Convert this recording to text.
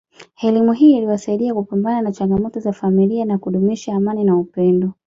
Elimu hii iliwasaidia kupambana na changamoto za familia na kudumisha amani na upendo